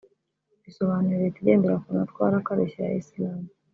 bisobanuye “Leta igendera ku matwara akarishye ya Islam”